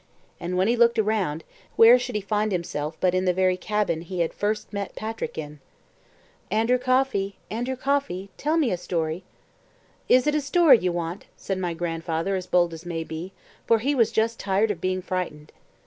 And when he looked around, where should he find himself but in the very cabin he had first met Patrick in. "Andrew Coffey, Andrew Coffey, tell me a story." "Is it a story you want?" said my grandfather as bold as may be, for he was just tired of being frightened.